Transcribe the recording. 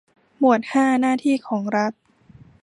หมวดห้าหน้าที่ของรัฐ